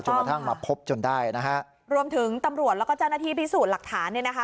กระทั่งมาพบจนได้นะฮะรวมถึงตำรวจแล้วก็เจ้าหน้าที่พิสูจน์หลักฐานเนี่ยนะคะ